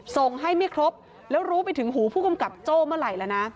ส่งให้ไม่ครบแล้วรู้ไปถึงหูผู้กำกับโจ้เมื่อไหร่แล้วนะ